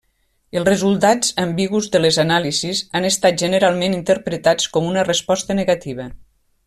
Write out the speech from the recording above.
Els resultats ambigus de les anàlisis han estat generalment interpretats com una resposta negativa.